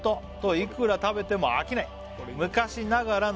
「いくら食べても飽きない昔ながらの」